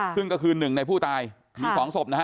ซึ่งก็คือหนึ่งในผู้ตายมี๒ศพนะฮะ